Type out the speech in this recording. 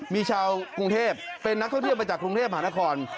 มีชาวกรุงเทพเป็นนักท่องเที่ยวมาจากกรุงเทพหานคร